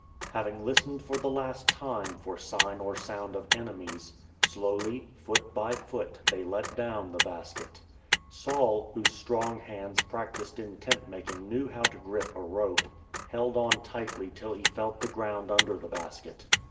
Having listened for the last time for sign or sound of enemies, slowly, foot by foot they let down the basket. Saul, whose strong hands practised in tent making knew how to grip a rope, held on tightly till he felt the ground under the basket.